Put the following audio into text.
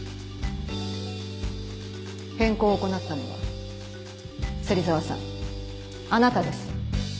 変更を行ったのは芹沢さんあなたです。